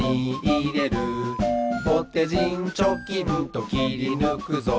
「ぼてじんちょきんときりぬくぞ」